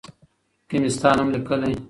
کي مي ستا نوم ليکلی